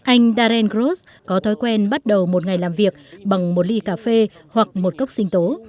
anh darren gross có thói quen bắt đầu một ngày làm việc bằng một ly cà phê hoặc một cốc sinh tố